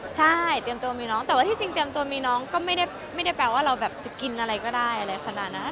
ใช่เตรียมตัวมีน้องแต่ว่าที่จริงเตรียมตัวมีน้องก็ไม่ได้แปลว่าเราแบบจะกินอะไรก็ได้อะไรขนาดนั้น